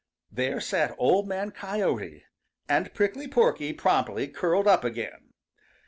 There sat Old Man Coyote, and Prickly Porky promptly curled up again.